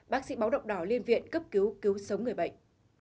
bác sĩ báo động đỏ liên viện cấp cứu cứu sống người bệnh